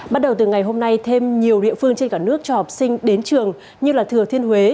bắt đầu từ ngày hôm nay thêm nhiều địa phương trên cả nước cho học sinh đến trường như thừa thiên huế